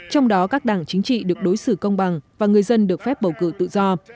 trong đó các đảng chính trị được đối xử công bằng và người dân được phép bầu cử tự do